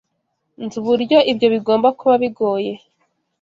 Nzi uburyo ibyo bigomba kuba bigoye.